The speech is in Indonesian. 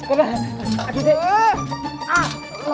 ada ada lepas nih